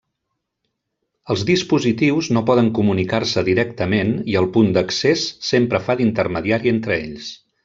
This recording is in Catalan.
Els dispositius no poden comunicar-se directament i el punt d'accés sempre fa d'intermediari entre ells.